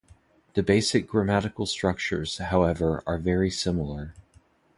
The basic grammatical structures, however, are very similar.